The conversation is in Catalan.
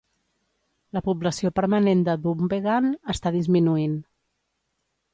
La població permanent de Dunvegan està disminuint.